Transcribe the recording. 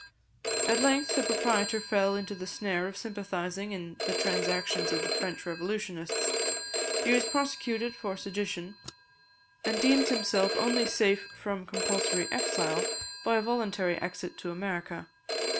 At length the proprietor fell into the snare of sympathising in the transactions of the French revolutionists; he was prosecuted for sedition, and deemed himself only safe from compulsory exile by a voluntary exit to America.